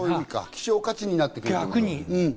希少価値になってくると。